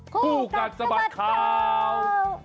คู่กัดสะบัดข่าว